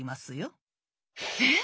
えっ！